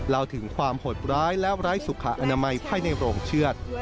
เล่าถึงความหดร้ายและไร้สุขอนามัยภายในโรงเชือด